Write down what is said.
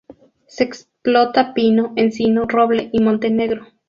Se explota pino, encino, roble y monte negro.